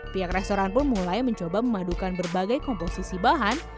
pihak restoran pun mulai mencoba memadukan berbagai komposisi bahan